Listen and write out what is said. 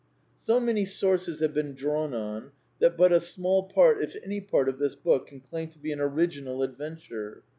So many sources have been drawn on that but a small part, if any part, of this book can claim to be an original adventure.